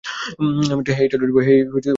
হেই, Toledo বয়।